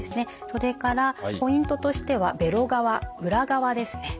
それからポイントとしてはべろ側裏側ですね。